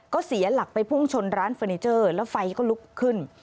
ก็เสียหลักไปพุ่งชนร้านเฟอร์นิเจอร์แล้วไฟก็ลุกขึ้น